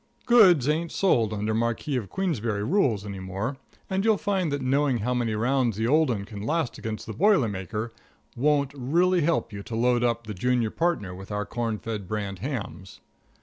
Goods ain't sold under Marquess of Queensberry rules any more, and you'll find that knowing how many rounds the Old 'Un can last against the Boiler Maker won't really help you to load up the junior partner with our Corn fed brand hams.